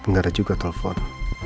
gak ada juga telfon